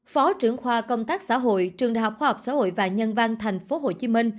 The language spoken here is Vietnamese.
phó trưởng khoa công tác xã hội trường đại học khoa học xã hội và nhân văn tp hcm